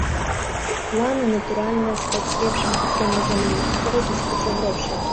Планы, натуральна, стаць лепшым гуртом на зямлі, зарабіць кучу грошай.